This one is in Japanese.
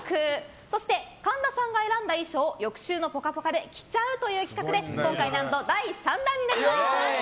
そして神田さんが選んだ衣装を翌週の「ぽかぽか」で着ちゃうという企画で今回は何と第３弾です。